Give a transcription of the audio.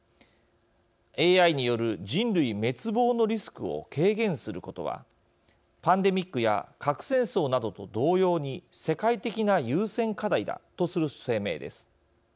ＡＩによる人類滅亡のリスクを軽減することはパンデミックや核戦争などと同様に世界的な優先課題だとする声明です。